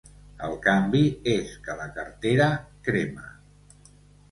El canvi és que la cartera crema.